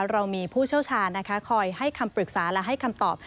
เรามีผู้เชี่ยวชาญนะคะคอยให้คำปรึกษาและให้คำตอบ